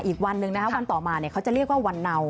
อีกวันหนึ่งนะคะวันต่อมาเขาจะเรียกว่าวันเนา